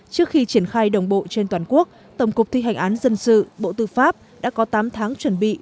trước khi triển khai đồng bộ trên toàn quốc tổng cục thi hành án dân sự bộ tư pháp đã có tám tháng chuẩn bị